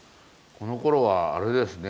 このころはあれですね。